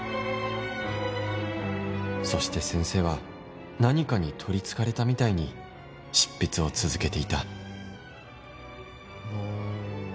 そして先生は何かに取りつかれたみたいに執筆を続けていたの。